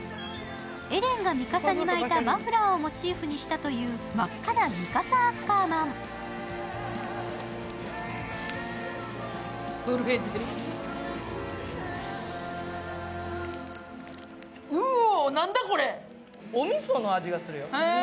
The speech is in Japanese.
エレンがミカサに巻いたマフラーをモチーフにしたという真っ赤なミカサ・アッカーまん。